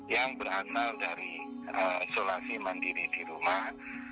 yang berasal dari isolasi mandiri di rumah